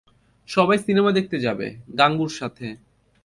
সবাই সিনেমা দেখতে যাবে, গাঙুর সাথে।